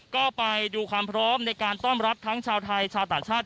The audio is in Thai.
ก็ไปดูความพร้อมในการต้อนรับทั้งชาวไทยชาวต่างชาติ